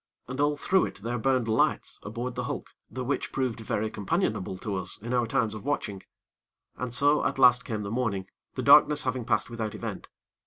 And all through it there burned lights aboard the hulk, the which proved very companionable to us in our times of watching; and so, at last came the morning, the darkness having passed without event.